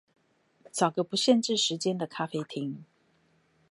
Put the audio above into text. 找個不限制時間的咖啡廳